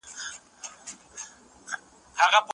شاګرد د علمي مقالو د لیکلو له پروسې سره بلد دی.